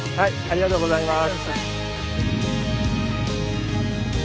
ありがとうございます。